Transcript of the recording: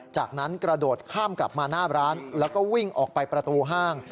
จากนั้นกระโดดข้ามกลับมาหน้าร้านแล้วก็วิ่งออกไปประตูห้าง